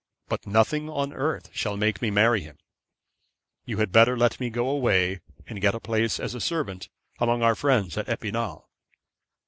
But nothing on earth shall make me marry him. You had better let me go away, and get a place as a servant among our friends at Epinal.'